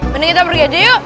mending kita pergi aja yuk